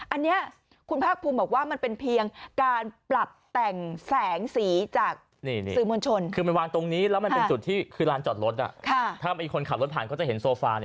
อันนี้คุณภาคภูมิบอกว่ามันเป็นเพียงการปรับแต่งแสงสีจากสื่อมวลชน